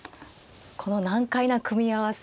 この難解な組み合わせ